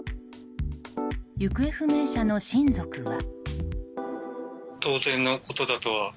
行方不明者の親族は。